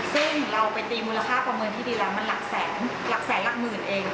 ซึ่งเราไปตีมูลค่าประเมินที่ดีแล้วมันหลักแสนหลักแสนหลักหมื่นเอง